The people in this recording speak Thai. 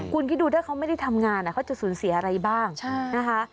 คุณคิดดูถ้าเขาไม่ได้ทำงานเขาจะสูญเสียอะไรบ้างนะคะ